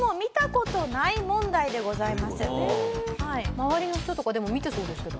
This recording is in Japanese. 周りの人とかでも見てそうですけどね。